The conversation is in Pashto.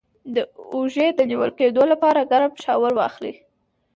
د اوږې د نیول کیدو لپاره ګرم شاور واخلئ